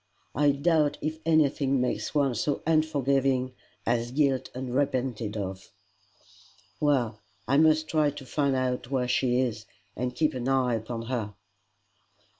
I doubt if anything makes one so unforgiving as guilt unrepented of." "Well, I must try to find out where she is, and keep an eye upon her."